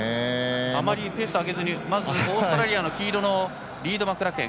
あまりペースを上げずにオーストラリアの黄色のリード・マクラケン。